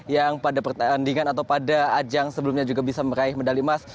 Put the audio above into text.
yang pada pertandingan atau pada ajang sebelumnya juga bisa meraih medali emas